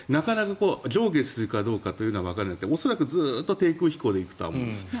なかなか上下するかどうかというのはわからなくてずっと低空飛行で行くと思います。